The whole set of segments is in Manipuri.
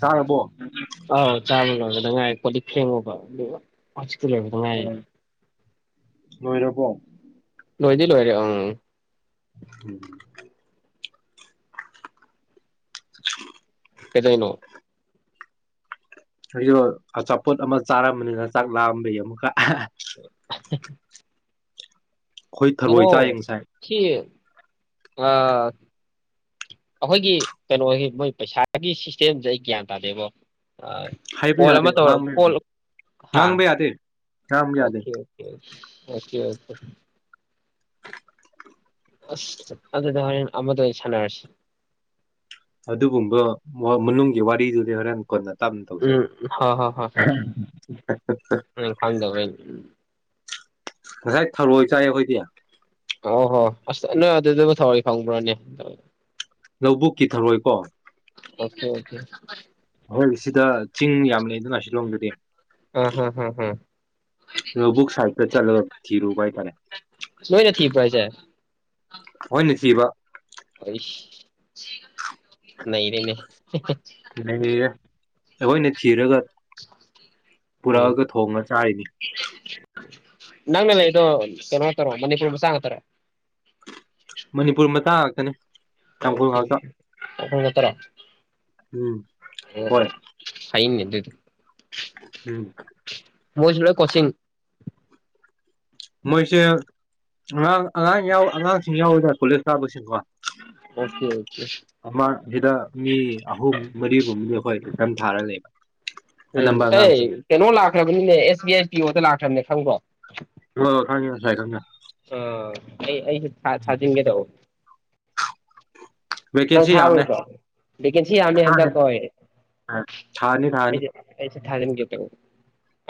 ꯆꯥꯔꯕꯣ ꯑꯧ ꯆꯥꯕ ꯂꫭꯏꯕꯗ ꯉꯥꯏ ꯀꫭꯜꯂꯤꯛ ꯐꯦꯡꯉꯨꯕ ꯗꯨꯒ ꯍꯧꯖꯤꯛ ꯁꯤ ꯂꫭꯎꯕꯗ ꯉꯥꯏꯔꯤꯗ ꯎꯝ ꯂꯣꯏꯔꯕꯣ ꯂꯣꯏꯗꯤ ꯂꯣꯏꯔꯦ ꯑꯪ ꯎꯝ ꯀꯗꯥꯏꯩꯅꯣ ꯑꯩꯣ ꯑꯆꯥꯄꯣꯠ ꯑꯃ ꯆꯥꯔꯝꯕꯅꯤꯅ ꯆꯥꯛ ꯂꯥꯛꯑꯝꯕꯩ ꯑꯃꯨꯛꯀ ꯑ ꯎꯝ ꯑꯩꯈꯣꯏ ꯊꯔꯣꯏ ꯏꯆꯥ ꯌꯦꯡꯁꯥꯏ ꯁꯤ ꯑꯩꯈꯣꯏꯒꯤ ꯀꯩꯅꯣꯒꯤ ꯃꯣꯏ ꯄꯩꯁꯥꯒꯤ ꯁꯤꯁꯇꯦꯝꯁꯦ ꯑꯩ ꯒ꯭ꯌꯥꯟ ꯇꯥꯗꯦꯕꯣ ꯍꯥꯏꯕ ꯀꯣꯜ ꯌꯥꯗꯦ ꯑꯃ ꯇꯧꯔ ꯉꯥꯡꯕ ꯀꯣꯜ ꯌꯥꯗꯦ ꯍꯥ ꯉꯥꯡꯕ ꯌꯥꯗꯦ ꯉꯥꯡꯕ ꯌꯥꯗꯦ ꯑꯣꯀꯦ ꯑꯣꯀꯦ ꯑꯣꯀꯤ ꯋꯥꯛꯇ ꯎ ꯑꯁ ꯑꯗꯨꯔꯦꯟ ꯑꯃꯗ ꯁꯂꯔꯁꯤꯦ ꯑꯗꯨꯒꯨꯝꯕ ꯃꯅꯨꯡꯒꯤ ꯋꯥꯔꯤꯗꯨꯗꯤ ꯍꯣꯔꯦꯟ ꯀꯣꯟꯅ ꯇꯞꯅ ꯇꯧꯁꯦꯕ ꯎꯝ ꯍ ꯍ ꯍ ꯍ ꯐꯗ ꯎ ꯉꯁꯥꯏ ꯊꯔꯣꯏ ꯆꯥꯏ ꯑꯩꯈꯣꯏꯗꯤ ꯑꯣ ꯍꯣ ꯑꯁ ꯅꯣꯏ ꯑꯗꯨꯗꯕꯨ ꯊꯋꯥꯏ ꯐꯪꯕ꯭ꯔꯅꯦ ꯂꯧꯕꯨꯛꯀꯤ ꯊꯧꯔꯣꯏꯀꯣ ꯑꯣꯀꯦ ꯑꯣꯀꯦ ꯍꯣꯏ ꯁꯤꯗ ꯆꯤꯡ ꯌꯥꯝ ꯂꯩ ꯑꯗꯨꯅ ꯁꯤꯂꯣꯡꯗꯗꯤ ꯑ ꯍ ꯍ ꯍ ꯅꯣꯕꯨꯛ ꯁꯥꯥꯏꯀ ꯆꯂ ꯆꯤꯔ ꯎꯕꯥꯏꯇꯥꯔꯦ ꯅꯣꯏꯅ ꯊꯤꯕ꯭ꯔꯣ ꯍꯥꯏꯁꯦ ꯍꯣꯏꯅꯦ ꯊꯕ ꯅ ꯂꯩꯅꯦ ꯊ ꯍꯒ ꯑꯩꯈꯣꯏꯅ ꯊꯤꯔꯒ ꯎꯝ ꯄꯨꯔꯛꯑꯒ ꯊꯣꯡꯉ ꯆꯥꯔꯤꯅꯤ ꯅꯪꯅꯦ ꯂꯩ ꯏꯣ ꯀꯩꯅꯣ ꯍꯥꯏ ꯇꯔꯣ ꯃꯅꯤꯄꯨꯔꯔꯤ ꯃꯁꯥꯡ ꯍꯥꯏꯇꯥꯔꯦ ꯃꯅꯤꯄꯨꯔ ꯃꯇꯥꯡ ꯉꯥꯛꯀꯅꯤ ꯑꯣ ꯑꯣ ꯀ ꯇꯔꯥ ꯎꯝ ꯎꯝ ꯍꯣꯏ ꯐꯩꯅ ꯑꯗꯨꯗꯤ ꯎꯝ ꯃꯣꯏꯁꯤꯂꯣꯏ ꯀꯣꯆꯤꯡ ꯃꯣꯏꯁꯦ ꯑ ꯑꯉꯥꯡ ꯌꯥꯎ ꯑꯉꯥꯡꯁꯤꯡ ꯌꯥꯎꯋꯗ ꯄꯨꯂꯤꯁꯇꯥ ꯂꯣꯏꯁꯁꯤꯀꯣ ꯑꯣꯀꯦ ꯑꯣꯀꯦ ꯑꯃ ꯍꯗ ꯃꯤ ꯑꯍꯨꯝ ꯃꯔꯤꯔꯨꯝꯕꯗꯤ ꯑꯩꯈꯣꯏꯝ ꯊꯥꯔ ꯂꯩꯕ ꯑꯅꯝꯕ ꯑꯉꯥꯡꯁꯤꯡ ꯂꯈ꯭ꯔꯕꯅꯤꯅꯦ ꯑꯦꯁ ꯕꯤ ꯑꯁ ꯄꯤ ꯑꯣꯗ ꯂꯥꯛꯈ꯭ꯔꯕꯅꯦ ꯈꯪ꯭ꯔꯣ ꯍ ꯀꯅꯤ ꯑꯁꯥꯏ ꯀ ꯍ ꯑꯩꯁꯨ ꯊꯥꯖꯤꯟꯒꯦ ꯇꯧꯕ ꯅꯡ ꯚꯦꯀꯦꯟꯁꯤ ꯌꯥꯝꯃꯦ ꯊꯔꯣꯏꯗꯔꯣ ꯚꯦꯀꯦꯟꯁꯤ ꯌꯥꯝꯃꯦ ꯊꯥꯅꯤ ꯍꯟꯗꯛꯣ ꯊꯥꯅꯤ ꯊꯥꯅꯤ ꯑꯩꯗꯤ ꯑꯩꯁ ꯊꯥꯖꯤꯟꯒꯦ ꯇꯧ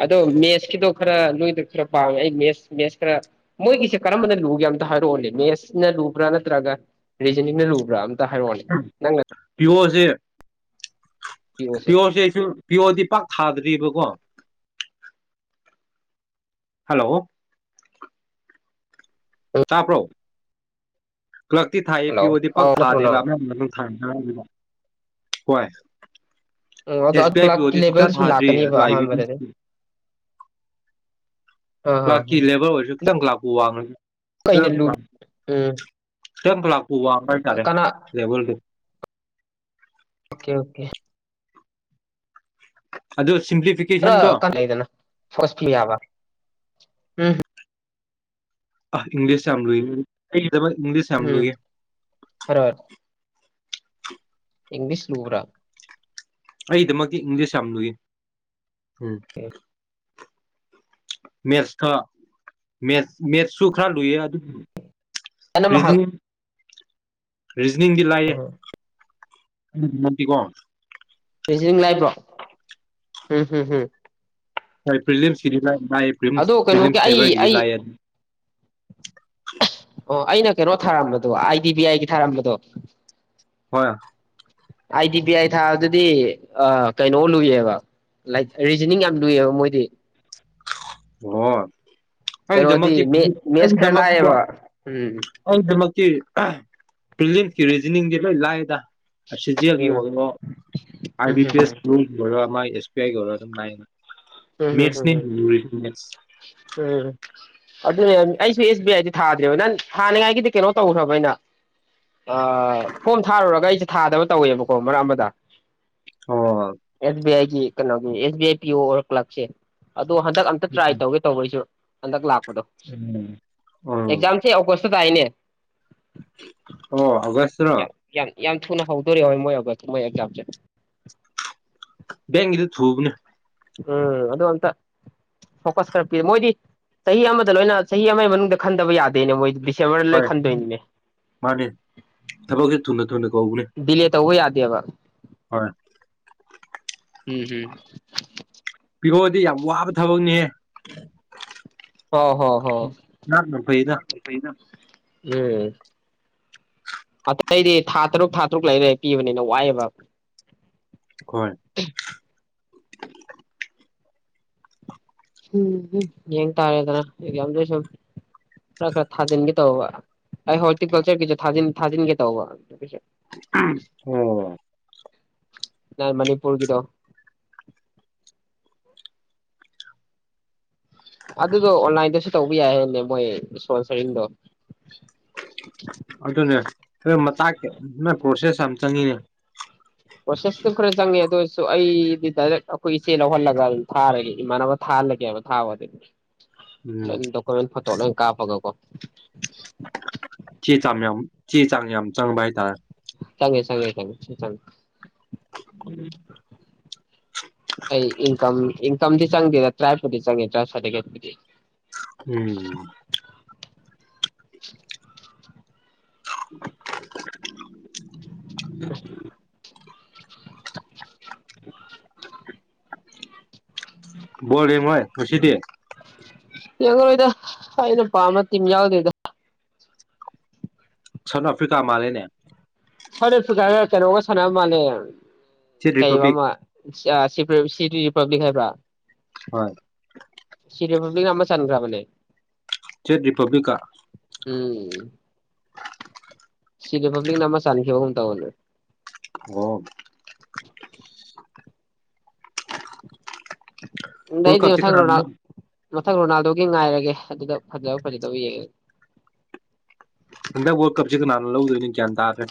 ꯑꯗꯣ ꯃꯦꯠꯁꯀꯤꯗꯣ ꯈꯔ ꯅꯣꯏꯗ ꯈꯔ ꯄꯥꯉꯦ ꯑꯩ ꯃꯦꯠꯁ ꯃꯦꯠꯁ ꯈꯔ ꯃꯣꯏꯒꯤꯁꯦ ꯀꯔꯝꯕꯅ ꯂꯨꯒꯦ ꯑꯝꯇ ꯍꯥꯏꯔꯛꯑꯣꯅꯦ ꯃꯦꯠꯁꯅ ꯂꯨꯕ꯭ꯔꯥ ꯅꯠꯇ꯭ꯔꯒ ꯔꯤꯖꯅꯤꯡꯅ ꯂꯨꯕ꯭ꯔꯥ ꯑꯡ ꯇꯥ ꯍꯥꯏꯔꯀꯑꯣꯅꯦ ꯅꯡꯅꯥ ꯄꯕꯣꯁꯦ ꯄꯤꯌꯣꯁꯦ ꯄꯤꯌꯣꯔꯁꯦ ꯑꯩꯁꯨ ꯄꯤꯌꯣꯔꯗꯤ ꯄꯥꯛ ꯊꯥꯗꯔꯤꯕꯀꯣ ꯍꯜꯂꯣ ꯎꯝ ꯇꯥꯕꯔꯣ ꯀꯛꯇꯤ ꯊꯥꯏꯌꯦ ꯍꯜꯂꯣ ꯄꯤꯌꯑꯣꯗꯤ ꯄꯛ ꯑ ꯅꯠꯇ꯭ꯔꯣ ꯊꯥꯗꯦꯕ ꯅꯪ [unintelligible] ꯉꯔꯪꯡꯒꯦꯗꯣ ꯍꯣꯌ ꯑꯥ ꯑꯗꯨ ꯑꯗꯨ ꯀꯥꯜꯛ ꯂꯦꯕꯦꯜ ꯁꯨ ꯂꯥꯛꯀꯅꯦꯕ ꯑꯗꯨ ꯑꯥꯏ ꯕꯤ ꯑꯍꯥꯟꯕꯗꯗꯤ ꯑꯥ ꯀ꯭ꯂꯥꯛꯀꯤ ꯂꯦꯕꯔ ꯑꯣꯏꯁꯨ ꯈꯤꯇꯪ ꯂꯥꯛ ꯋꯥꯡ ꯒꯅꯤ ꯀꯩꯅꯥ ꯂꯨꯒꯦ ꯎꯝ ꯁꯇꯟ ꯐꯂꯞ ꯀꯅꯥ [unintelligible] ꯑꯣꯀꯦ ꯑꯣꯀꯦ ꯑꯗꯨꯁ ꯈꯔꯥ ꯀꯥꯅꯩꯗꯅ ꯐꯁꯄ ꯌꯥꯕ ꯎꯝ ꯑ ꯏꯪꯂꯤꯁ ꯆꯝ ꯂꯨꯏꯕꯅꯤ ꯑꯩꯒꯤ ꯗꯕꯣꯏ ꯏꯡꯂꯤꯁ ꯌꯥꯝ ꯎꯝ ꯂꯨꯏꯌꯦ ꯏꯡꯂꯤꯁ ꯂꯨꯕ꯭ꯔꯥ ꯑꯩꯗꯃꯛꯇꯤ ꯏꯡꯂꯤꯁ ꯌꯥꯝ ꯂꯨꯏꯌꯦ ꯎꯝ ꯃꯦꯠꯁꯇꯦ ꯃꯦꯠ ꯃꯦꯠꯁꯁꯨ ꯈꯔ ꯂꯨꯏꯌꯦ ꯑꯗꯨ ꯑꯅꯝꯕ ꯔꯤꯗꯤꯡ ꯔꯤꯖꯅꯤꯡꯗꯤ ꯂꯥꯏꯌꯦ ꯎꯝ ꯉꯗꯤꯀꯣ ꯔꯦꯖꯤꯡ ꯂꯥꯏꯕ꯭ꯔꯣ ꯍꯨꯝ ꯍꯨꯝ ꯍꯨꯝ ꯍꯣꯏ ꯄꯔꯥꯂꯤꯝ ꯀꯤꯗꯤ ꯂꯥꯏꯕꯅꯤ ꯂꯥꯌꯦ ꯐ꯭ꯔꯤꯝ ꯑꯗꯣ ꯐ꯭ꯔꯤꯂꯤꯝ ꯀꯩꯅꯣꯒꯤ ꯑꯩ ꯐꯦꯕꯔꯒꯤꯗꯤ ꯑꯩ ꯂꯥꯛꯑꯦ ꯑꯗꯨꯝ ꯎ [unintelligible] ꯑꯣ ꯑꯩꯅ ꯀꯩꯅꯣ ꯊꯥꯔꯝꯕꯗꯣ ꯑꯥꯏ ꯗꯤ ꯕꯤ ꯑꯥꯏꯒꯤ ꯊꯥꯔꯝꯕꯗꯣ ꯍꯣꯏ ꯑꯥꯏ ꯗꯤ ꯕꯤ ꯑꯥꯏ ꯊꯥꯕꯗꯨꯗꯤ ꯀꯩꯅꯣ ꯂꯨꯏꯌꯦꯕ ꯂꯥꯏꯛ ꯔꯤꯖꯅꯤꯡ ꯌꯥꯝ ꯂꯨꯏꯑꯕ ꯃꯣꯏꯗꯤ ꯑꯣꯍꯣꯠ ꯀꯩꯅꯣꯗꯤ ꯃꯦꯁ ꯈꯔ ꯂꯥꯛꯑꯦꯕ ꯎꯝ ꯄ꯭ꯔꯤꯟꯁꯀꯤ ꯔꯤꯖꯅꯤꯡꯗꯤ ꯂꯣꯏ ꯂꯥꯛꯑꯗ ꯁꯤꯖꯦꯜꯒꯤ ꯎꯝ ꯑꯣꯏꯅꯣ ꯑꯥꯏ ꯎꯝ ꯕꯤ ꯄꯤ ꯑꯦꯁ ꯂꯔ ꯃꯥ ꯑꯦꯁ ꯄ ꯑꯣꯏꯧꯔ ꯑꯗꯨꯝꯏꯅ ꯎꯝ ꯎꯝ ꯎꯝ ꯎꯝ ꯃꯤꯁꯅꯦꯔꯤ ꯎꯝ ꯑꯗꯨꯅꯦ ꯑꯩꯁꯨ ꯑꯦꯁ ꯕꯤ ꯑꯥꯏꯗꯤ ꯊꯥꯗ꯭ꯔꯦꯕ ꯅꯪ ꯊꯥꯅꯤꯡꯉꯥꯏꯒꯤꯗꯤ ꯀꯩꯅꯣ ꯇꯧꯈ꯭ꯔꯕ ꯑꯩꯅ ꯐꯣꯝ ꯊꯥꯔꯨꯔꯒ ꯑꯩꯁꯦ ꯊꯥꯗꯕ ꯇꯧꯋꯦꯕꯀꯣ ꯃꯔꯛ ꯑꯃꯗ ꯑꯣ ꯑꯦꯁ ꯑ ꯀꯩꯅꯣꯒꯤ ꯑꯦꯁ ꯕꯤ ꯑꯥꯏ ꯄꯤ ꯑꯣ ꯂꯁ ꯑꯗꯣ ꯍꯟꯗꯛ ꯑꯝꯇ ꯇ꯭ꯔꯥꯏ ꯇꯧꯒꯦ ꯇꯧꯕꯩꯁꯨ ꯑꯟ ꯀ꯭ꯂꯥꯛ ꯎꯝ ꯎꯝ ꯑꯦꯛꯖꯝꯁ ꯑ ꯀ꯭ꯋꯁꯟ ꯥꯏꯅꯦ ꯑꯣ ꯍꯧꯕꯁ ꯌꯥ ꯌꯥ ꯌꯥꯝ ꯊꯨꯅ ꯍꯧꯗꯣꯔꯤꯕꯣꯏ ꯃꯣꯏꯕ ꯃꯣꯏ ꯑꯦꯛꯖꯥꯝꯁꯦ ꯒꯤꯗꯤ ꯊꯨꯕꯅꯦ ꯎꯝ ꯑꯗ ꯑꯝꯇ ꯐꯣꯀꯁ ꯈꯔ ꯄꯤ ꯃꯣꯏꯗꯤ ꯆꯍꯤ ꯑꯃꯗ ꯂꯣꯏꯅ ꯆꯍꯤ ꯑꯃꯒꯤ ꯃꯅꯨꯡꯗ ꯈꯟꯗꯕ ꯌꯥꯗꯦꯅꯦ ꯃꯣꯏ ꯗꯤꯁꯦꯝꯕꯔ ꯂꯣꯏ ꯍꯣꯏ ꯈꯟꯗꯣꯏꯅꯤꯅꯦ ꯃꯥꯅꯤ ꯊꯒꯤ ꯇꯅꯅ ꯂꯦ ꯇ ꯎ ꯌꯥꯗꯦꯕ ꯍꯣꯏ ꯎꯝ ꯍꯝ ꯄꯕꯤꯔꯣꯗꯤ ꯌꯥꯝ ꯋꯥꯕ ꯊꯕꯛꯅꯤꯍꯦ ꯍꯥꯎ ꯍꯣꯏ ꯐꯩꯗ ꯍꯣꯏ ꯎꯝ ꯑꯇꯩꯗꯤ ꯊꯥ ꯇꯔꯨꯛ ꯊꯥ ꯇꯔꯨꯛ ꯂꯩꯔ ꯄꯤꯕꯅꯤꯅ ꯋꯥꯏꯑꯦꯕ ꯍꯣꯏ ꯎꯝ ꯌꯦꯡ ꯇꯥꯔꯦꯗꯅꯗ ꯁꯨꯝ ꯈꯔ ꯈꯔ ꯊꯥꯖꯤꯟꯒꯦ ꯇꯧꯕ ꯑꯩ ꯍꯣꯔꯇꯤꯀꯜꯆꯔꯒꯤꯁꯨ ꯊꯥꯖꯤꯟꯒꯦ ꯇꯧꯕ ꯑꯣ ꯅ ꯃꯅꯤꯄꯨꯔ ꯀꯗꯣ ꯑꯗꯨꯗꯣ ꯑꯣꯟꯂꯥꯏꯟꯗꯁꯨ ꯇꯧꯕ ꯌꯥꯏ ꯍꯦꯅꯦ ꯃꯣꯏ ꯏꯁꯄꯣꯟꯁꯔꯤꯡꯗꯣ ꯑꯗꯨꯅꯦ ꯃꯇꯥ ꯅ ꯀꯣꯔꯁꯦꯁ ꯆꯅꯤꯅꯦ ꯄ꯭ꯔꯣꯁꯦꯁꯇꯨ ꯈꯔ ꯆꯪꯉꯦ ꯑꯗꯨ ꯑꯣꯏꯔꯁꯨ ꯑꯩꯗꯤ ꯗꯥꯏꯔꯦꯛ ꯑꯩꯈꯣꯏ ꯏꯆꯦ ꯂꯧꯍꯜꯂꯒ ꯑꯗꯨꯝ ꯊꯥꯔꯒ ꯏꯃꯥꯟꯅꯕ ꯊꯥꯍꯜꯂꯒꯦꯕ ꯊꯥꯕ ꯑꯗꯨꯗꯤ ꯎꯝ ꯅꯣꯏ ꯗꯣꯀꯨꯃꯦꯟ ꯐꯣꯇꯣ ꯂꯣꯏ ꯀꯥꯞꯄꯒꯀꯣ ꯊꯤ ꯆ ꯆꯤ ꯆꯥꯡꯅꯤ ꯆꯥꯡꯉ ꯥꯏ ꯇꯥꯔ ꯆꯪꯉꯦ ꯆꯪꯉꯦ ꯆꯪꯦ ꯆꯦ ꯑꯩ ꯏꯟꯀꯝ ꯏ ꯀꯝꯗꯤ ꯆꯪꯗꯦꯗ ꯇ꯭ꯔꯥꯄꯨꯗꯤ ꯆꯪꯉꯦꯗ꯭ꯔꯔꯇꯦꯠꯨꯗꯤ ꯎꯝ [unintelligible] [unintelligible] ꯣꯔꯦ ꯍꯣꯏ ꯍꯁꯤꯗꯦ ꯌꯦꯡꯉꯔꯣꯏꯗ ꯑꯩ ꯅꯨꯄꯥ ꯑꯃ ꯇꯤꯝ ꯌꯥꯎꯗꯣꯏꯗ ꯁꯟ ꯑꯐ꯭ꯔꯤꯀꯥ ꯃꯥ ꯂꯩꯅꯦ ꯁꯔꯦ ꯐꯖꯥ ꯆ ꯆꯅꯒ ꯁꯅ ꯃꯥꯅꯦ ꯆꯦꯛ ꯀꯩ ꯔꯤꯄꯕ꯭ꯂꯤꯛ ꯁꯤ ꯔꯤꯄꯕ꯭ꯂꯤꯛ ꯍꯥꯏꯕ꯭ꯔꯥ ꯍꯣꯏ ꯁꯤꯔꯃꯝ ꯃ ꯆꯈ꯭ꯔꯕꯅꯦꯦ ꯆꯦꯠ ꯔꯤꯄꯕ꯭ꯂꯤꯀꯥ ꯎꯝ ꯁꯤ ꯔꯤꯄꯕ꯭ꯂꯤꯛ ꯅꯥꯝꯃ ꯆꯥꯟꯅꯈꯤꯕꯒꯨꯝ ꯇꯥꯅꯦ꯭ꯔꯦ ꯑꯣ ꯋꯥꯔꯜ ꯗꯤ ꯀꯞꯁꯦ ꯊ꯭ꯔꯣꯅ ꯀꯅꯥꯅ ꯃꯊꯛ ꯔꯣꯅꯥꯜꯗꯣꯒꯤ ꯉꯥꯏꯔꯒꯦ ꯑꯗꯨꯗ ꯐꯖꯕ ꯐꯖꯗꯕ ꯌꯦꯡꯉꯦ ꯀ ꯋꯥꯣ ꯀꯞꯖꯦ ꯀꯅꯥꯅ ꯂꯧꯎꯗꯅꯤ ꯀꯗꯔꯦ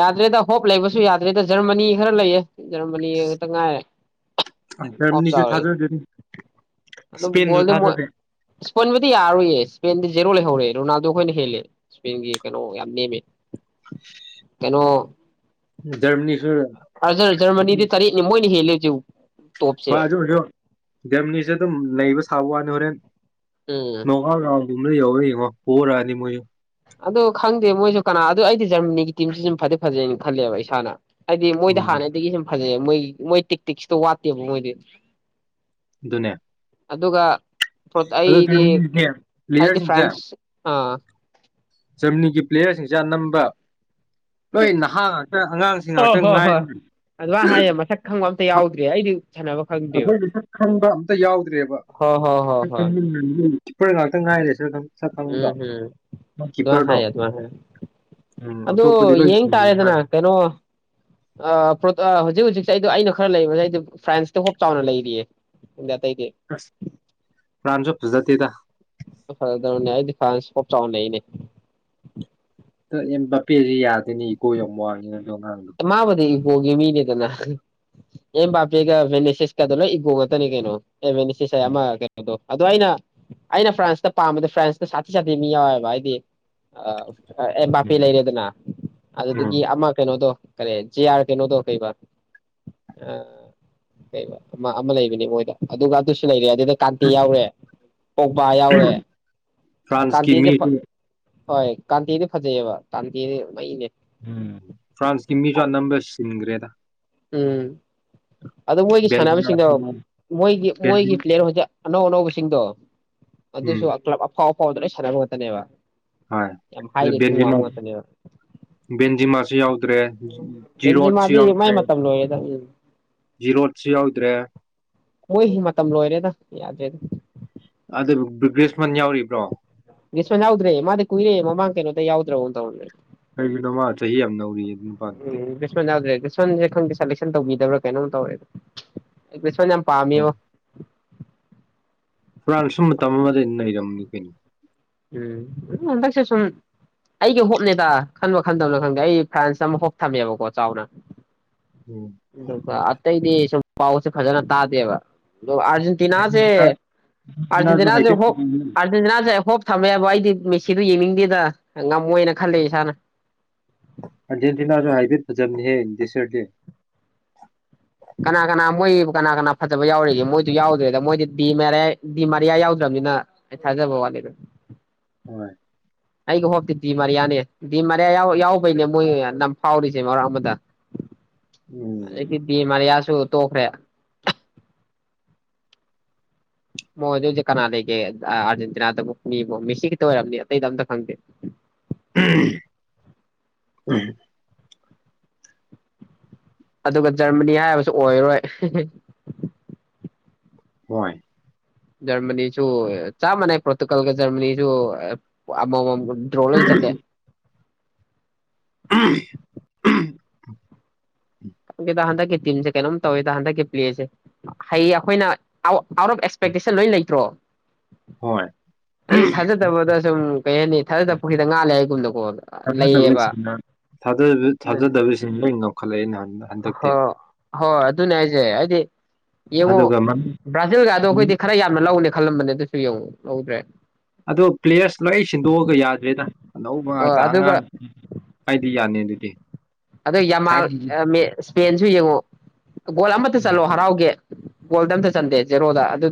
ꯌꯥꯗ꯭ꯔꯦꯗ ꯍꯣꯞ ꯂꯩꯕꯁꯨ ꯌꯥꯗ꯭ꯔꯦꯗ ꯖꯔꯃꯅꯤ ꯈꯔ ꯂꯩꯌꯦ ꯖꯔꯃꯅꯤ ꯈꯛꯇ ꯉꯥꯏꯔꯦ ꯑꯣꯞ ꯖꯔꯃꯅꯤꯁꯨ ꯆꯥꯎꯔꯦ ꯊꯥꯖꯗꯦ ꯑꯗꯣ ꯏꯁꯄꯦꯟꯁꯨ ꯒꯣꯜꯗꯣ ꯃꯣꯏ ꯊꯥꯖꯗꯦ ꯁ꯭ꯄꯨꯟꯕꯨꯗꯤ ꯌꯥꯔꯣꯏꯌꯦ ꯁ꯭ꯄꯦꯟꯗꯤ ꯖꯦꯔꯣ ꯂꯩꯍꯧꯔꯦ, ꯔꯣꯅꯥꯜꯗꯣ ꯈꯣꯏꯅ ꯍꯦꯜꯂꯦ ꯁ꯭ꯄꯦꯟꯒꯤ ꯀꯩꯅꯣ ꯌꯥꯝ ꯅꯦꯝꯃꯦ꯫ ꯀꯩꯅꯣ ꯖꯔꯃꯥꯅꯤ ꯑꯖꯔ ꯖꯔꯃꯅꯤꯗꯤ ꯇꯔꯦꯠꯅꯦ ꯃꯣꯏꯅꯤ ꯍꯦꯜꯂꯦ꯫ ꯌꯎ ꯍꯣꯏ ꯑꯗꯨꯕꯨꯁꯨ ꯖꯔꯃꯅꯤꯖꯠ ꯑꯗꯨꯝ ꯂꯩꯕ ꯁꯥꯕ ꯋꯥꯅꯤ ꯍꯧꯔꯦꯟ ꯎꯝ ꯅꯣꯛꯑꯧꯠ ꯔꯎꯧ ꯄꯨꯝꯕ ꯌꯧꯕ꯭ꯔ ꯌꯦꯡꯉꯣ ꯄꯣꯔꯅꯤ ꯃꯣꯏꯁꯨ ꯑꯗꯣ ꯈꯪꯗꯦ ꯃꯣꯏꯁꯨ ꯀꯅꯥ ꯑꯗꯨ ꯑꯩꯗꯤ ꯖꯔꯃꯅꯤꯒꯤ ꯇꯤꯝꯁꯤ ꯁꯨꯝ ꯐꯗꯤ ꯐꯖꯩꯅ ꯈꯜꯂꯦꯕ ꯏꯁꯥꯅ ꯍꯥꯏꯗꯤ ꯃꯣꯏꯗ ꯎꯝ ꯍꯥꯟꯅꯗꯒꯤ ꯁꯨꯝ ꯐꯖꯩ ꯃꯣꯏ ꯃꯣꯏ ꯇꯦꯛꯇꯤꯛꯁꯇꯣ ꯋꯠꯇꯦꯕ ꯃꯣꯏꯗꯤ ꯗꯨꯅꯦ ꯑꯗꯨꯒ ꯑꯗꯨ ꯑꯩꯗꯤ [unintelligible] ꯑꯩꯗꯤ ꯄ꯭ꯂꯦꯌꯔꯁꯤꯡꯁꯦ ꯐ꯭ꯔꯥꯟꯁ ꯑꯥ ꯒꯔꯃꯅꯒꯤ ꯄ꯭ꯂꯦꯌꯔꯁꯤꯡꯁꯦ ꯑꯅꯝꯕ ꯂꯣꯏ [unintelligible] ꯅꯍꯥ ꯉꯥꯛꯇ ꯑꯉꯥꯡꯁꯤꯡ ꯍꯣ ꯉꯥꯛꯇ ꯍꯣꯏ ꯍꯣꯏ ꯉꯥꯏꯔꯤ ꯑꯗꯨꯃꯥꯏ ꯍꯥꯏꯌꯦ ꯃꯁꯛ ꯈꯪꯕ ꯑꯝꯇ ꯌꯥꯎꯗ꯭ꯔ‌ꯦ ꯑꯩꯗꯤ ꯁꯥꯟꯅꯕ ꯈꯪꯗꯦꯕ ꯑꯈꯣꯏꯅ ꯁꯛ ꯈꯪꯕ ꯑꯝꯇ ꯌꯥꯎꯗ꯭ꯔꯦꯕ꯫ ꯍꯣꯏ ꯍꯣꯏ ꯍꯣꯏ ꯍꯣꯏ [unintelligible] ꯀꯤꯄꯔ ꯉꯥꯛꯇ ꯉꯥꯏꯔ‌ꯦ꯫ ꯎꯝ ꯍꯨꯝ ꯑꯗꯨꯃꯥꯏ ꯍꯥꯏ ꯀꯤꯞꯄꯔꯗꯣ ꯑꯗꯨꯃꯥꯏ ꯍꯥꯏ ꯎꯝ ꯑꯗꯣ ꯑꯇꯣꯞꯄꯗꯤ ꯂꯣꯏ ꯌꯦꯡ ꯁꯤꯡꯉꯦ ꯇꯥꯔꯦꯗꯅ ꯀꯩꯅꯣ ꯑꯥ ꯄ꯭ꯔꫭꯇꯣ ꯑꯥ ꯍꯧꯖꯤꯛ ꯍꯧꯖꯤꯛꯁꯦ ꯑꯩꯗꯣ ꯑꯩꯅ ꯈꯔ ꯂꯩꯕꯁꯦ ꯑꯩꯗꯤ ꯐ꯭ꯔꯥꯟꯁꯇ ꯍꯣꯞ ꯆꯥꯎꯅ ꯂꯩꯔꯤꯌꯦ꯫ ꯑꯗ ꯑꯇꯩꯗꯤ ꯑꯁ ꯄ꯭ꯔꯥꯟꯁꯨ ꯐꯖ ꯗ‌ꯦꯗ ꯐꯖꯗ꯭ꯔꯕꯅꯦ? ꯑꯩꯗꯤ ꯐ꯭ꯔꯥꯟꯁ ꯍꯣꯞ ꯆꯥꯎꯅ ꯂꯩꯌꯦꯅꯦ꯫ ꯇꯣ ꯑꯦꯝꯕꯥꯞꯄꯦꯁꯤ ꯌꯥꯗ‌ꯦꯅ‌ꯦ ꯏꯒꯣ ꯌꯥꯝ ꯋꯥꯡꯉꯦ ꯍꯥꯏ꯫ ꯑꯥ ꯃꯥꯕꯨꯗꯤ ꯒꯣꯒꯤ ꯃꯤꯅꯤꯗꯅ ꯑꯦꯝꯕꯥꯞꯄꯦꯒ ꯚ‌ꯦꯅꯦꯁꯦꯁꯀꯗꯣ ꯂꯣꯏ ꯏꯒꯣ ꯉꯥꯛꯇꯅꯦ ꯀꯩꯅꯣ꯫ ꯑꯦ ꯚ‌ꯦꯅ‌ꯦꯁ‌ꯦꯁꯍꯥꯏ ꯎꯝ ꯑꯃ ꯀꯩꯅꯣꯗꯣ ꯑꯗꯣ ꯑꯩꯅ ꯑꯩꯅ ꯐ꯭ꯔꯥꯟꯁꯇ ꯄꯥꯝꯕꯗ ꯐ꯭ꯔꯥꯟꯁꯇ ꯁꯥꯊꯤ ꯁꯥꯊꯤ ꯃꯤ ꯌꯥꯎꯋꯦꯕ ꯍꯥꯏꯗꯤ ꯑꯥ ꯑꯦꯝꯕꯥꯞꯄ‌ꯦ ꯎꯝ ꯂꯩꯔꯦꯗꯅ ꯎꯝ ꯑꯗꯨꯗꯒꯤ ꯑꯃ ꯀꯩꯅꯣꯗꯣ ꯀꯔꯤ ꯖꯦ ꯑꯥꯔ ꯀꯩꯅꯣꯗꯣ ꯀꯩꯕ ꯑꯥ ꯀꯩꯕ ꯑꯃ ꯑꯃ ꯂꯩꯕꯅꯦ ꯃꯣꯏꯗ ꯑꯗꯨꯒ ꯑꯗꯨꯁꯨ ꯂꯩꯔꯦ ꯗꯦꯗꯥ ꯀꯥꯟꯇꯦ ꯌꯥꯎꯔꯦ ꯄꯣꯛꯕꯥ ꯌꯥꯎꯔꯦ ꯐ꯭ꯔꯥꯟꯁꯀꯤ ꯀꯥꯟꯇ‌ꯦꯁꯦ ꯐꯥ ꯃꯤꯁꯨ ꯍꯣꯏ ꯀꯥꯟꯇ‌ꯦꯗꯤ ꯐꯖꯩꯑꯦꯕ, ꯀꯥꯟꯇ‌ꯦꯗꯤ ꯃꯩꯅꯦ꯫ ꯎꯝ ꯐ꯭ꯔꯥꯟꯁꯀꯤ ꯃꯤꯁꯨ ꯑꯅꯝꯕ ꯁꯤꯟꯒ꯭ꯔꯦꯗ꯫ ꯎꯝ꯫ ꯑꯗꯨ ꯃꯣꯏꯒꯤ ꯕꯦꯟꯖꯤꯃꯥ ꯁꯥꯟꯅꯕꯁꯤꯡꯗꯣ ꯃꯣꯏꯒꯤ ꯃꯣꯏꯒꯤ ꯄ꯭ꯂꯦꯌꯔ ꯍꯧꯖꯤꯛ ꯑꯅꯧ ꯑꯅꯧꯕ꯫ ꯁꯤꯡꯗꯣ꯫ ꯎꯝ ꯑꯗꯨꯁꯨ ꯑꯀꯂꯞ ꯑꯐꯥꯎ꯫ ꯍꫭꯜꯗ ꯂꫭꯜ ꯁꯥꯅꯕ ꯉꯥꯇꯅ‌ꯦꯕ꯫ ꯍꯣꯏ ꯑꯗ ꯕꯦꯟꯖꯤꯃꯥ ꯕꯦꯟꯖꯤꯃꯥꯁꯨ ꯌꯥꯎꯗ꯭ꯔꯦ ꯖꯤꯔꯣꯠꯁꯨ ꯕꯦꯟꯖꯤꯃꯥꯗꯤ ꯃꯥꯏ ꯌꯥꯎꯗ꯭ꯔꯦ꯫ ꯃꯇꯝ ꯂꯣꯏꯔꯦꯗ ꯎꯝ ꯖꯤꯔꯣꯠꯁꯨ ꯌꯥꯎꯗ꯭ꯔꯦ꯫ ꯃꯣꯏ ꯃꯇꯝ ꯂꯣꯏꯔꯦꯗ ꯌꯥꯗ꯭ꯔꯦꯗ꯫ ꯑꯗꯨꯕꯨ ꯒ꯭ꯔꯤꯁꯃꯟ ꯌꯥꯎꯔꯤꯕ꯭ꯔꯣ꯫ ꯒꯁꯃꯦꯟ ꯌꯥꯎꯗ꯭ꯔꯦ ꯃꯥꯗꯤ ꯀꯨꯏꯔ‌ꯦ ꯃꯃꯥꯡ ꯀꯩꯅꯣꯗꯩ ꯌꯥꯎꯗ꯭ꯔꯥꯒꯨꯝ ꯇꯧꯅꯤ꯫ ꯀꯩꯒꯤꯅꯣ ꯃꯥ ꯆꯍꯤ ꯌꯥꯝ ꯅꯧꯔꯤꯌꯦ ꯑꯗꯨ ꯅꯨꯄꯥꯗꯨꯗꯤ꯫ ꯈꯟꯗ‌ꯦ ꯈꯪꯗꯦ ꯁꯦꯂꯦꯛꯁꯟ ꯇꯧꯕꯤꯗꯕ꯭ꯔꯥ ꯀꯩꯅꯣꯝ ꯇꯧꯑꯦꯕ꯫ ꯄꯥꯝꯃꯤꯉꫭ꯫ ꯐꯔꯟꯁ ꯁꯨ ꯃꯇꯝ ꯑꯃꯗ ꯅꯩꯔꯝꯃꯤ ꯀꯩꯅꯣ ꯎꯝ ꯍꯟꯗꯛꯁꯦ ꯁꯨꯝ ꯑꯩꯒꯤ ꯍꯣꯞꯅꯦꯗ ꯈꯟꯕ ꯈꯟꯗꯕꯅꯣ ꯈꯪꯗꯦ ꯑꯩ ꯐ꯭ꯔꯥꯟꯁ ꯑꯃ ꯍꯣꯞ ꯊꯝꯃꯦꯕꯀꯣ ꯆꯥꯎꯅ ꯎꯝ ꯑꯗꯨꯒ ꯑꯇꯩꯗꯤ ꯁꯨꯝ ꯄꯥꯎꯁꯦ ꯐꯖꯅ ꯇꯥꯗꯦꯕ ꯑꯔꯖꯦꯟꯇꯤꯅꯥꯁꯦ ꯑꯥꯔꯖꯦꯟꯇꯤꯅꯥꯁꯨ ꯑꯔꯖꯦꯟꯇꯤꯅꯥꯁꯦ ꯍꯥꯏꯐꯦꯠ ꯍꯣꯄꯨ ꯐꯖꯕꯅꯤ ꯑꯔꯖꯦꯟꯇꯤꯅꯥꯁꯦ ꯍꯣꯞ ꯊꯝꯃꯦꯕ ꯑꯩꯗꯤ ꯃꯦꯁꯤꯗꯣ ꯌꯦꯡꯅꯤꯡꯗꯦꯗ ꯉꯝꯃꯣꯏꯅ ꯈꯜꯂꯦ ꯏꯁꯥꯅ ꯑꯥꯔꯖꯦꯟꯇꯤꯅꯥꯁꯨ ꯍꯥꯏꯐꯦꯠ ꯐꯖꯕꯅꯤꯍꯦ ꯗꯤꯁꯔ ꯗꯦ ꯀꯅꯥ ꯀꯅꯥ ꯃꯣꯏ ꯀꯅꯥ ꯀꯅꯥ ꯐꯖꯕ ꯌꯥꯎꯔꯤꯒꯦ ꯃꯣꯏꯗꯨ ꯌꯥꯎꯗ꯭ꯔꯦꯗ ꯃꯣꯏꯗꯤ ꯗꯤ ꯃꯔꯦ ꯗꯤ ꯃꯔꯤꯌꯥ ꯌꯥꯎꯗ꯭ꯔꯕꯅꯤꯅ ꯑꯩ ꯊꯥꯖꯕ ꯋꯥꯠꯂꯦꯗ ꯍꯣꯏ ꯑꯩꯒꯤ ꯍꯣꯛꯇꯤ ꯗꯤꯃꯔꯤꯌꯥꯅꯦ ꯗꯤꯃꯔꯤꯌꯥ ꯌꯥꯎꯕꯩꯅꯦ ꯃꯣꯏ ꯅꯝ ꯐꯥꯎꯔꯤꯁꯦ ꯃꯔꯛ ꯑꯃꯗ ꯎꯝ ꯍꯧꯖꯤꯛꯇꯤ ꯗꯤꯃꯥꯔꯤꯌꯥ ꯁꯨ ꯇꯣꯛꯈ꯭ꯔꯦ ꯃꯣꯏꯗ ꯍꯧꯖꯤꯛ ꯀꯅꯥ ꯂꯩꯒꯦ ꯑꯥꯔꯖꯦꯟꯇꯤꯅꯥꯗꯕꯨ ꯃꯤꯕꯨ ꯃꯤꯁꯤ ꯈꯤꯇ ꯑꯣꯏꯔꯝꯅꯤ ꯑꯇꯩꯗ ꯑꯝꯇ ꯈꯪꯗꯦ ꯎꯝ ꯑꯗꯨꯒ ꯖꯔꯃꯅꯤ ꯍꯥꯏꯕꯁꯨ ꯑꯣꯏꯔꯣꯏ ꯍꯣꯏ ꯖꯔꯃꯅꯤꯁꯨ ꯆꯥꯞ ꯃꯅꯩ ꯄꯣꯇꯨꯒꯜ ꯀ ꯖ ꯑꯃꯃꯥꯝ ꯗ꯭ꯔꯣ ꯂꯣꯏ ꯆꯠꯂꯦ [unintelligible] ꯈꯪꯗꯦꯗ ꯍꯟꯗꯛꯀꯤ ꯇꯤꯝꯁꯦ ꯀꯩꯅꯣꯝ ꯇꯧꯋꯦꯗ ꯍꯟꯗꯛꯀꯤ ꯄ꯭ꯂꯦꯁꯦ ꯍꯌꯦ ꯑꯩꯈꯣꯏꯅ ꯑꯥꯎꯠ ꯑꯣꯐ ꯑꯦꯛꯁꯄꯦꯛꯇꯦꯁꯟ ꯂꯣꯏ ꯂꯩꯇ꯭ꯔꯣ ꯍꯣꯏ ꯑꯩ ꯊꯥꯖꯗꯕꯗ ꯁꯨꯝ ꯀꯩ ꯍꯥꯏꯅꯤ ꯊꯥꯖꯗꯕ ꯄꯨꯈ꯭ꯔꯤꯗ ꯉꯥ ꯂꯩ ꯌꯦꯒꯨꯝꯅꯀꯣ ꯂꯩꯌꯦꯕ ꯊꯥꯖꯗꯕꯁꯤꯡꯅ ꯑꯗꯨ ꯈꯜꯂꯛꯑꯦꯅ ꯑꯣꯍꯣ ꯍꯣꯏ ꯅ ꯌꯥꯁꯦ ꯍꯥꯏꯗꯤ ꯌꯦꯡꯉꯣ ꯑꯗꯨꯒ ꯃꯃꯤꯡ ꯕ꯭ꯔꯥꯖꯤꯜꯒꯗꯣ ꯑꯩꯈꯣꯏꯗꯤ ꯈꯔ ꯌꯥꯝꯅ ꯂꯧꯅꯤ ꯈꯜꯂꯝꯕꯅꯦ ꯑꯗꯨꯁꯨ ꯌꯦꯡꯉꯍꯗ꯭ꯔꯦ ꯑꯗꯣ ꯄ꯭ꯂꯦꯌꯔꯁ ꯂꯣꯏ ꯁꯤꯟꯗꯣꯛꯑꯒ ꯌꯥꯗ꯭ꯔꯦꯗ ꯑꯅꯧꯕ ꯑꯣ ꯉꯥꯛꯇ ꯑꯗꯨꯒ ꯑꯉꯥꯡ ꯍꯥꯏꯗꯤ ꯌꯥꯅꯤ ꯑꯗꯨꯗꯤ ꯑꯗꯣ ꯌꯥꯝꯃꯥ ꯊꯥꯏꯅꯒꯤ ꯦꯟꯁꯨ ꯌꯦꯡꯉꯑꯣ ꯒꯣꯜ ꯑꯃꯇ ꯆꯠꯂꯣ ꯍꯔꯥꯎꯒꯦ ꯒꯣꯜꯗ ꯑꯝꯇ ꯆꯟꯗꯦ ꯖꯦꯔꯣꯗ ꯑꯗꯨ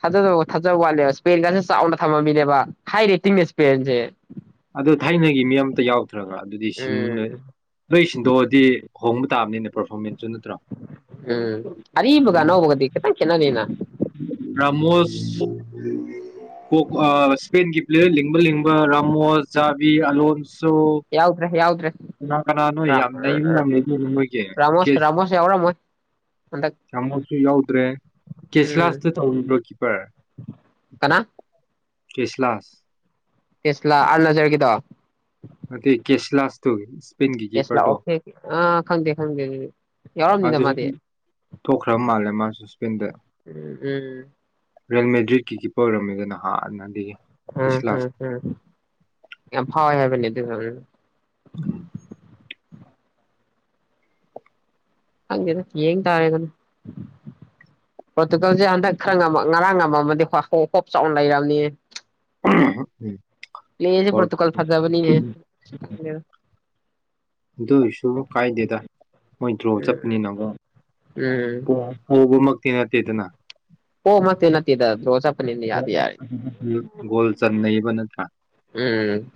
ꯊꯥꯖꯕ ꯊꯥꯖꯕ ꯋꯥꯠꯂꯦꯕ ꯏꯁꯄꯦꯟꯒꯁꯨ ꯆꯥꯎꯅ ꯊꯝꯃꯝꯃꯤꯅꯦꯕ ꯍꯥꯏ ꯔꯦꯇꯤꯡꯅꯦ ꯏꯁꯄꯦꯟꯁꯦ ꯑꯗꯨ ꯊꯥꯏꯅꯒꯤ ꯃꯤ ꯑꯇ ꯌꯥꯎ ꯅꯠꯇ꯭ꯔꯒ ꯑꯗꯨꯗꯤ ꯁꯤ ꯅ ꯎꯝ ꯅꯣꯏ ꯁꯤꯟꯗꯣꯛꯑꯗꯤ ꯍꯣꯡꯕ ꯇꯥꯕꯅꯤꯅ ꯄꯔꯐꯣꯔꯃꯦꯟꯁ ꯆ ꯇ꯭ꯔꯥ ꯎꯝ ꯑꯔꯤꯕꯒ ꯑꯅꯧꯕꯒꯗꯤ ꯈꯤꯇꯪ ꯈꯦꯠꯅꯅꯤꯅ ꯔ꯭ꯔꯃꯣꯁ ꯎꯝ ꯏꯁꯄꯦꯟꯒꯤ ꯄ꯭ꯂꯦꯌꯔ ꯂꯤꯡꯕ ꯂꯤꯡꯕ ꯔꯥꯃꯣꯁ ꯆꯥꯕꯤ ꯑꯂꯣꯣꯟ ꯌꯥꯎꯗ꯭ꯔ ꯌꯥꯎ ꯀꯅꯥ ꯀꯅꯥ ꯅꯣꯏ ꯌꯥꯝ ꯂꯩꯌꯨꯝ ꯌꯥꯝ ꯂꯩꯗꯣꯏꯅꯣ ꯅꯣꯏꯒꯤ ꯀ ꯔꯥꯃꯣꯁ ꯔꯥꯃꯣꯁ ꯌꯥꯎꯔꯝꯃꯣꯏ ꯍꯟꯗꯛ ꯌꯥꯝꯃꯨꯛꯁꯨ ꯌꯥꯎꯗ꯭ꯔꯦ ꯎꯝ ꯀꯦꯁꯂꯥꯁꯇ ꯇꯧꯅꯤꯡ꯭ꯔꯣ ꯀꯤꯄꯔ ꯀꯅꯥ ꯄꯁꯂꯥꯁ ꯇꯁꯂ ꯑꯔꯂꯖꯔ ꯀꯗ ꯀ꯭ꯂ꯭ꯂꯥꯁ ꯇꯧꯒꯦ ꯌꯦꯁ ꯂꯥꯛꯑꯣꯦ ꯑ ꯈꯪꯗꯦ ꯈꯪꯗꯦ ꯌꯥꯎꯔꯝꯅꯤꯗ ꯑꯗꯨꯁꯨ ꯃꯥꯗꯤ ꯊꯣꯛꯈ꯭ꯔ ꯃꯥꯜꯂꯦ ꯃꯥꯁꯨ ꯏꯁꯄꯦꯟꯗ ꯎꯝ ꯎꯝ ꯔꯦꯜꯃꯦꯦꯗ꯭ꯔꯤꯠꯀꯤ ꯀꯤꯞꯔ ꯑꯣꯏꯝꯃꯦ ꯀꯗꯅ ꯍꯥꯥꯟꯅꯗꯒꯤꯒꯤ ꯎꯝ ꯍꯝꯝ ꯐꯋꯥꯏ ꯍꯥꯏꯕꯅꯤ ꯐ ꯎꯝ ꯍꯦꯗ ꯌꯦꯡ ꯇꯥꯔꯦꯒꯅ ꯄ꯭ꯔꯣꯇꯨꯒꯜꯁꯦ ꯍꯟꯗꯛ ꯈꯔ ꯉꯔꯥꯡ ꯉꯝꯃꯗꯤ ꯍ ꯍꯣꯏ ꯄꯣꯞ ꯆꯥꯎꯅ ꯂꯩꯔꯔꯕꯅꯤ ꯂꯩꯁꯦ ꯐꯣꯔ ꯄꯣꯇꯨꯀꯜ ꯐꯥꯖꯕꯅꯤ ꯗꯨꯁꯨꯃꯨ ꯀꯥꯏꯗꯦꯗꯥ ꯃꯣꯏ ꯗ꯭ꯔꯣ ꯎꯝ ꯆꯠꯄꯅꯤꯅꯀꯛ ꯎꯝ ꯄꯕꯃꯛ ꯇꯅꯠꯇꯦꯗꯅ ꯄꯣꯕꯃꯛꯇꯤ ꯅꯠꯇꯦꯗ ꯗ꯭ꯔꯣ ꯆꯠꯄꯅꯤꯅ ꯌꯥꯗꯤ ꯌꯥꯔꯦ ꯣꯜ ꯆꯅꯩꯕ ꯅ ꯑ ꯎꯝ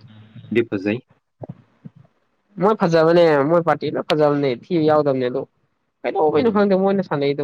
ꯃꯣꯏ ꯐꯖꯕꯅꯦ ꯃꯣꯏ ꯄꯥꯔꯇꯤ ꯂ ꯐꯖꯕꯅꯦ ꯊꯤꯕ ꯌꯥꯎꯗꯕꯅꯦ ꯑꯗꯣ ꯀꯩꯅꯣ ꯎꯝ ꯈꯪꯗꯦ ꯃꯣꯏꯅ ꯁꯥꯟꯅꯩꯗ